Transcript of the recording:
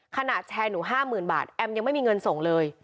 ขณะแชร์หนู๕๐๐๐บาทแอมยังไม่มีเงินส่งเลย